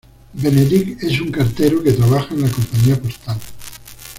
Benedict es un cartero que trabaja en la compañía postal.